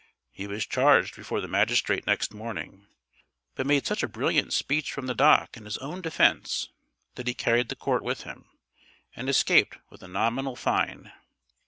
He was charged before the magistrate next morning, but made such a brilliant speech from the dock in his own defence that he carried the Court with him, and escaped with a nominal fine.